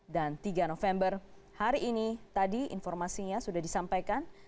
dan tiga november hari ini tadi informasinya sudah disampaikan